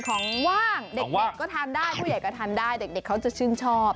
ของว่างเด็กก็ทานได้ผู้ใหญ่ก็ทานได้เด็กเขาจะชื่นชอบ